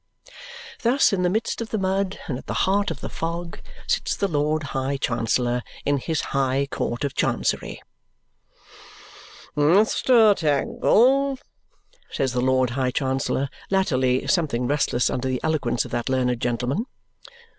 Thus, in the midst of the mud and at the heart of the fog, sits the Lord High Chancellor in his High Court of Chancery. "Mr. Tangle," says the Lord High Chancellor, latterly something restless under the eloquence of that learned gentleman.